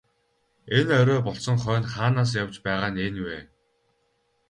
Энэ орой болсон хойно хаанаас явж байгаа нь энэ вэ?